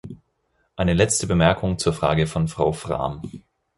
Eine letzte Bemerkung zur Frage von Frau Frahm.